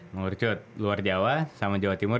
mengurucut luar jawa sama jawa timur